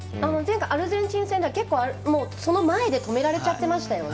アルゼンチン戦では結構その前で止められちゃってましたよね。